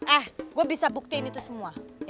ah gue bisa buktiin itu semua